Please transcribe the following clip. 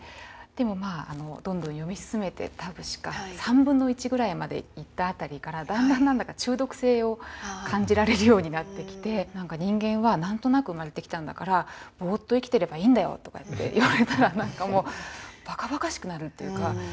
でもまあどんどん読み進めて確か３分の１ぐらいまでいった辺りからだんだん何だか中毒性を感じられるようになってきて「人間は何となく生まれてきたんだからぼーっと生きてればいいんだよ」とかって言われたらばかばかしくなるっていうか。